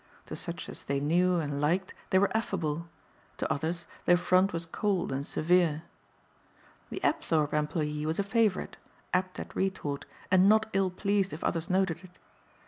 To such as they knew and liked they were affable. To others their front was cold and severe. The Apthorpe employee was a favorite, apt at retort and not ill pleased if others noted it.